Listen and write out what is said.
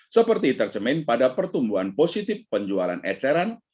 seperti tercemin pada pertumbuhan positif penjualan eceran